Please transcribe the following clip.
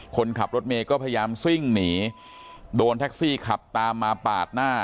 คนขับรถเมย์ก็พยายามซิ่งหนีโดนแท็กซี่ขับตามมาปาดหน้า